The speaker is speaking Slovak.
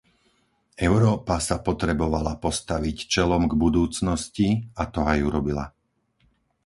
Európa sa potrebovala postaviť čelom k budúcnosti a to aj urobila.